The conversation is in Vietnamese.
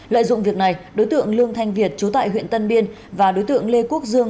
lợi dụng việc này đối tượng lương thanh việt trú tại huyện tân biên và đối tượng lê quốc dương